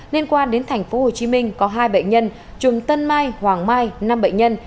liên quan đến thành phố hồ chí minh có hai bệnh nhân chùm tân mai hoàng mai năm bệnh nhân